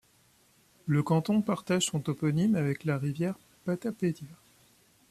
Le canton partage son toponyme avec la rivière Patapédia.